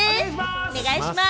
お願いします！